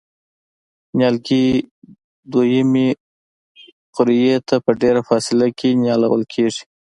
نیالګي دوه یمې قوریې ته په ډېره فاصله کې نیالول کېږي.